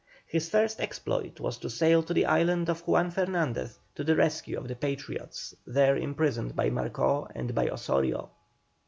His first exploit was to sail to the island of Juan Fernandez to the rescue of the Patriots there imprisoned by Marcó and by Osorio.